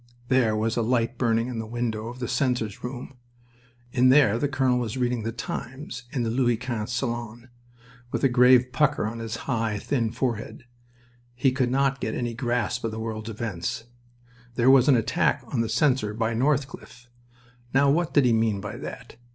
There was a light burning in the window of the censor's room. In there the colonel was reading The Times in the Louis Quinze salon, with a grave pucker on his high, thin forehead. He could not get any grasp of the world's events. There was an attack on the censor by Northcliffe. Now what did he mean by that?